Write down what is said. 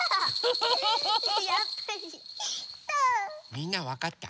みんなわかった？